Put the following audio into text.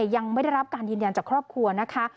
ยังไม่ได้รับการยืนยันจากครอบครัวนะคะ